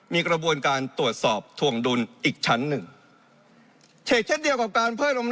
มีกระบวนการตรวจสอบถวงดุลอีกชั้นหนึ่งเฉกเช่นเดียวกับการเพิ่ม